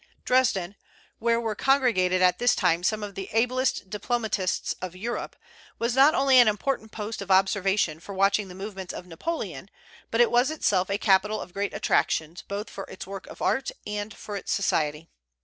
Dresden, where were congregated at this time some of the ablest diplomatists of Europe, was not only an important post of observation for watching the movements of Napoleon, but it was itself a capital of great attractions, both for its works of art and for its society.